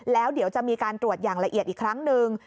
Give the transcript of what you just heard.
แล้วเดี๋ยวจะมีการตรวจอย่างละเอียดอีกครั้งหนึ่ง